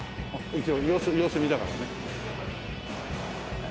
様子見様子見だからね。